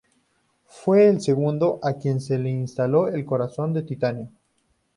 Fue el segundo a quien se le instaló el corazón de titanio.